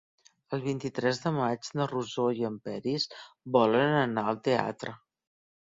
El vint-i-tres de maig na Rosó i en Peris volen anar al teatre.